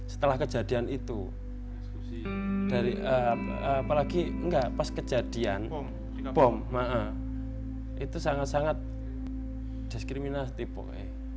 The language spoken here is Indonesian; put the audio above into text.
setelah kejadian itu apalagi enggak pas kejadian bom maaf itu sangat sangat diskriminasi poe